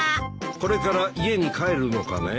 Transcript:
これから家に帰るのかね？